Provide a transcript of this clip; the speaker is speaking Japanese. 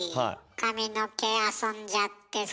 髪の毛遊んじゃってさ。